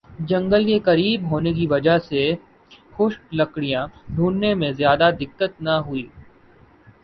جنگل سے قریب ہونے کی وجہ سے خشک لکڑیاں ڈھونڈنے میں زیادہ دقت نہ ہوئی